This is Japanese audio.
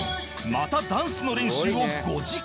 またダンスの練習を５時間